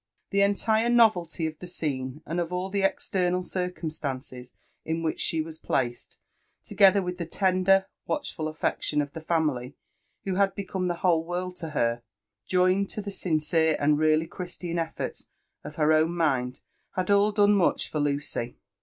The entire novelty of the scene* and of aU the external cirourastaoces in which she was placed* 4oge(her with the tender, watchfu) afleotion pf the family who bad become the whole world to her, joined to the sincere and really Christian efibrts of her own mind, had all done much for Lucy.